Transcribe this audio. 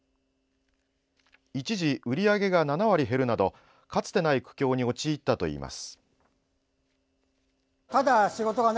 一時、売り上げが７割減るなどかつてない苦境に陥ったといいます。